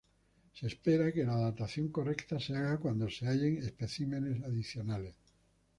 Se espera que la datación correcta se haga cuando se hallen especímenes adicionales.